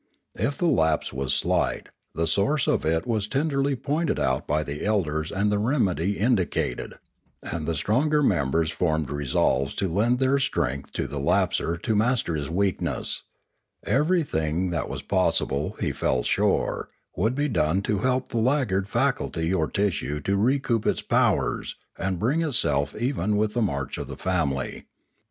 If the lapse was slight, the source of it was tenderly pointed out by the elders and the remedy indicated; and the stronger members formed resolves to lend their strength to the lapser to master his weakness; everything that was possible, he felt sure, would be done to help the lag gard faculty or tissue to recoup its powers and bring itself even with the march of the family.